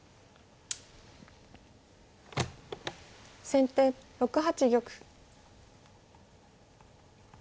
先手６八玉。